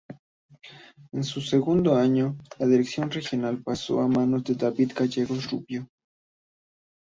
En su segundo año, la Dirección Regional pasó a manos de David Gallegos Rubio.